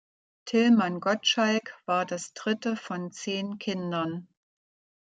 Tillmann Gottschalk war das dritte von zehn Kindern.